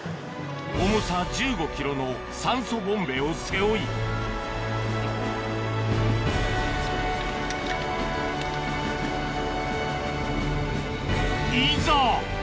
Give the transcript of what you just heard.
重さ１５ｋｇの酸素ボンベを背負いいざ！